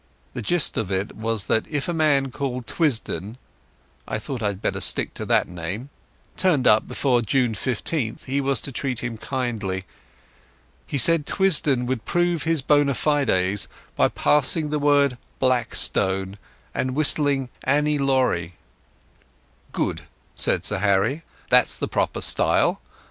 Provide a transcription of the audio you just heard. The gist of it was that if a man called Twisdon (I thought I had better stick to that name) turned up before June 15th he was to entreat him kindly. He said Twisdon would prove his bona fides by passing the word "Black Stone" and whistling "Annie Laurie". "Good," said Sir Harry. "That's the proper style.